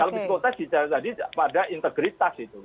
kalau psikotest di jalan tadi pada integritas itu